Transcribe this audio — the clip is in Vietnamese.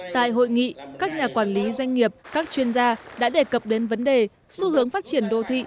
tại hội nghị các nhà quản lý doanh nghiệp các chuyên gia đã đề cập đến vấn đề xu hướng phát triển đô thị